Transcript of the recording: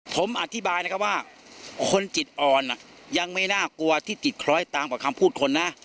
ผมอธิบายนะครับว่าคนจิตอ่อนยังไม่น่ากลัวที่จิตคล้อยตามกว่าคำพูดคนนะ